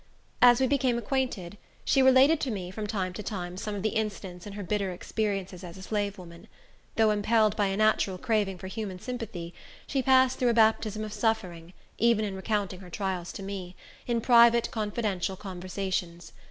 As we became acquainted, she related to me, from time to time some of the incidents in her bitter experiences as a slave woman. Though impelled by a natural craving for human sympathy, she passed through a baptism of suffering, even in recounting her trials to me, in private confidential conversations.